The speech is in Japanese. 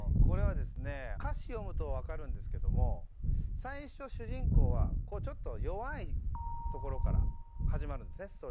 これはですね歌詞読むと分かるんですけども最初主人公はちょっと弱いところから始まるんですね